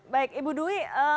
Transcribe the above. baik ibu dwi